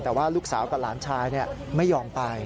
แต่ว่าลูกสาวกับหลานชายไม่ยอมไป